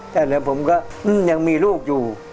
แต่เหลือผมก็อื้มยังมีลูกอยู่